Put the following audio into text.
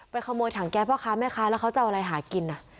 ขโมยถังแก๊สพ่อค้าแม่ค้าแล้วเขาจะเอาอะไรหากิน